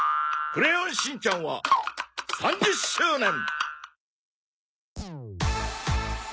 『クレヨンしんちゃん』は３０周年。